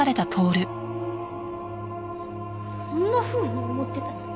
そんなふうに思ってたなんて。